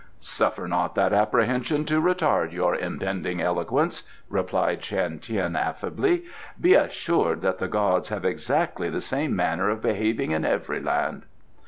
"Suffer not that apprehension to retard your impending eloquence," replied Shan Tien affably. "Be assured that the gods have exactly the same manner of behaving in every land."